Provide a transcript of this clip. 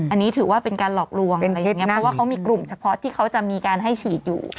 อันนี้ถือว่าเป็นการหลอกลวงอะไรอย่างนี้เพราะว่าเขามีกลุ่มเฉพาะที่เขาจะมีการให้ฉีดอยู่